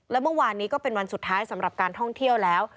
และเมื่อวานนี้ก็เป็นวันสุดท้ายสำหรับการท่องเที่ยวแล้ว